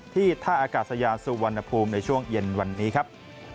ท่าอากาศยานสุวรรณภูมิในช่วงเย็นวันนี้ครับ